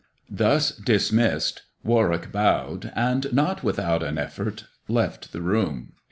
Thus dismissed, Warwick bowed and, not without an effort, left the room.